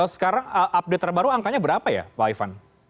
sekarang update terbaru angkanya berapa ya pak ivan